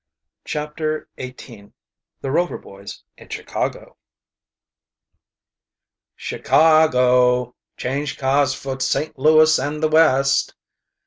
CHAPTER XVIII THE ROVER BOYS IN CHICAGO "Chicago! Change cars for St. Louis and the West!"